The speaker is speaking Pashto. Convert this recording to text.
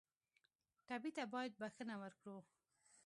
ټپي ته باید بښنه ورکړو.